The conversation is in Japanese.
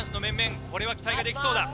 これは期待ができそうだ。